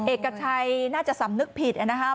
เอกชัยน่าจะสำนึกผิดนะครับ